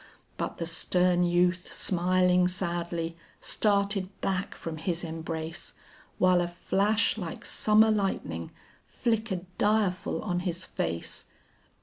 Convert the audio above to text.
But the stern youth smiling sadly, started back from his embrace, While a flash like summer lightning, flickered direful on his face.